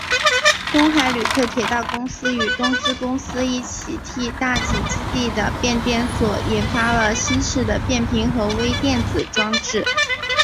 东海旅客铁道公司与东芝公司一起替大井基地的变电所研发了新式的变频和微电子装置。